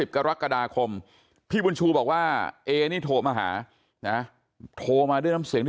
กรกฎาคมพี่บุญชูบอกว่าเอนี่โทรมาหานะโทรมาด้วยน้ำเสียงที่